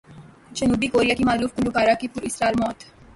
جنوبی کوریا کی معروف گلوکارہ کی پر اسرار موت